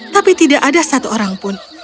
tapi tidak ada satu orang pun